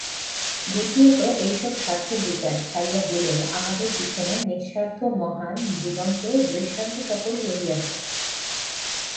দ্বিতীয়ত এইসব স্বার্থের বিচার ছাড়িয়া দিলেও আমাদের পিছনে নিঃস্বার্থ মহান জীবন্ত দৃষ্টান্তসকল রহিয়াছে।